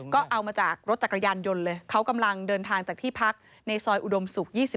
ก็เอามาจากรถจักรยานยนต์เลยเขากำลังเดินทางจากที่พักในซอยอุดมศุกร์๒๔